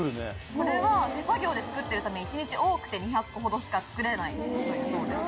これは手作業で作ってるため１日多くて２００個ほどしか作れないんだそうですよ。